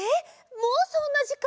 もうそんなじかん？